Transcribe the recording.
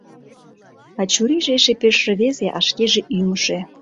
А чурийже эше пеш рвезе, а шкеже ӱҥышӧ.